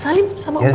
salim sama om baik